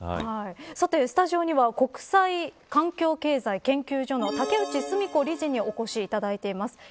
スタジオには国際環境経済研究所の竹内純子理事にお越しいただいています。